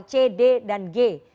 c d dan g